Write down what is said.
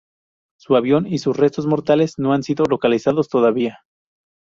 Su avión y sus restos mortales no han sido localizados todavía.